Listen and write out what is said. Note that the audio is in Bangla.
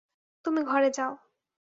তুমি ঘরে যাও।